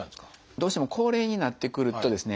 どうしても高齢になってくるとですね